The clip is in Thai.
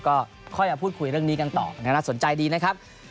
ก็ค่อยมาพูดคุยเรื่องนี้กันต่อน่าสนใจดีนะครับ